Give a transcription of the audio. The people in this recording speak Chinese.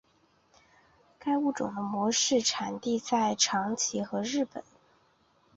该物种的模式产地在长崎和日本。